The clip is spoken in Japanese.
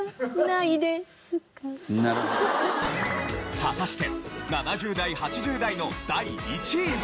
果たして７０代８０代の第１位は？